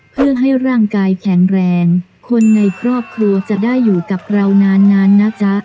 เพื่อให้ร่างกายแข็งแรงคนในครอบครัวจะได้อยู่กับเรานานนานนะจ๊ะ